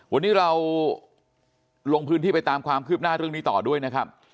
วันนี้เราลงพื้นที่ไปตามความคืบหน้าเรื่องนี้ต่อด้วยนะครับ